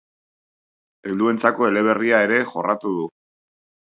Helduentzako eleberria ere jorratu du.